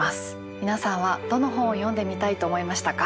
皆さんはどの本を読んでみたいと思いましたか？